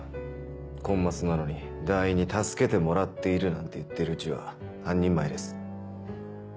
コンマスなのに団員に助けてもらっているなんて言っているうちは半人前です。